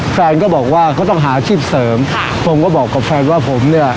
แฟนก็บอกว่าเขาต้องหาอาชีพเสริมค่ะผมก็บอกกับแฟนว่าผมเนี่ย